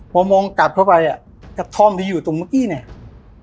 พอมองกลับเข้าไปอ่ะกระท่อมที่อยู่ตรงเมื่อกี้เนี่ย